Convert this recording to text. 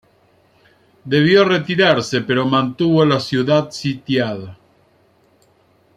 Debió retirarse, pero mantuvo la ciudad sitiada.